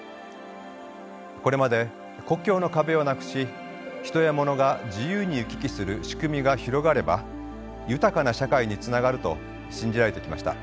これまで国境の壁をなくし人やものが自由に行き来する仕組みが広がれば豊かな社会につながると信じられてきました。